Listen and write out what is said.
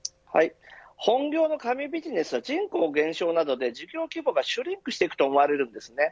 本業の紙ビジネスは人口減少などで事業規模がシュリンクしていくと思われるんです。